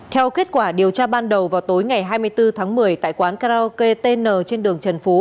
theo kết quả điều tra ban đầu vào tối ngày hai mươi bốn tháng một mươi tại quán karaoke tn trên đường trần phú